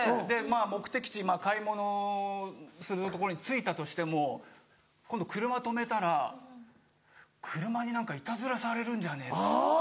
目的地買い物するところに着いたとしても今度車止めたら車に何かいたずらされるんじゃねえか。